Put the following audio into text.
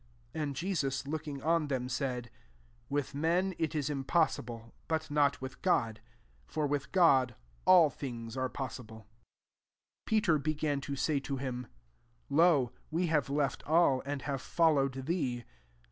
SL7 And Jesus K>kHig on ^em, said, •* With len U in impossible, but not ith God: [for with God all lingB are possible*] 9^ Pbts« began to say to hki, ^ Lo, we have Idx. all, and have followed thee."